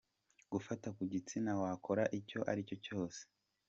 Gufata ku gitsina, wakora icyo aricyo cyose.